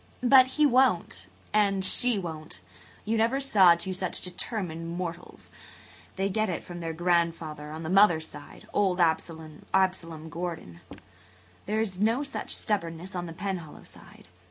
"But he won't. And she won't. You never saw two such determined mortals. They get it from their grandfather on the mother's side–old Absalom Gordon. There is no such stubbornness on the Penhallow side.